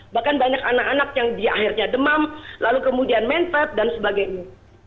bahkan banyak anak anak yang dia akhirnya demam lalu kemudian menset dan sebagainya